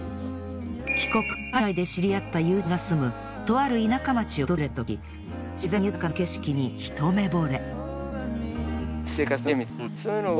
帰国後海外で知り合った友人が住むとある田舎町を訪れたとき自然豊かな景色に一目惚れ。